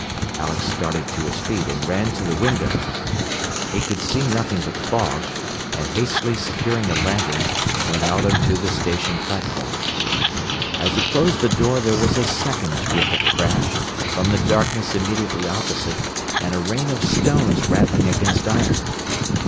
Alex started to his feet and ran to the window. He could see nothing but fog, and hastily securing a lantern, went out onto the station platform. As he closed the door there was a second terrific crash, from the darkness immediately opposite, and a rain of stones rattling against iron.